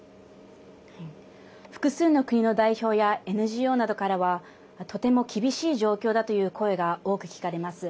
複数の国の代表やＮＧＯなどからはとても厳しい状況だという声が多く聞かれます。